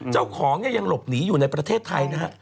เจ้าของเนี่ยยังหลบหนีอยู่ในประเทศไทยนะฮะ